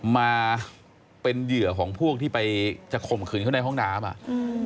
มาเป็นเหยื่อของพวกที่ไปจะข่มขืนเขาในห้องน้ำอ่ะอืม